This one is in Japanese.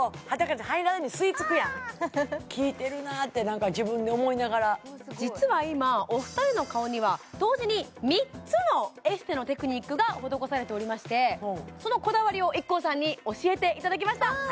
くるなんか自分で思いながら実は今お二人の顔には同時に３つのエステのテクニックが施されておりましてそのこだわりをＩＫＫＯさんに教えていただきました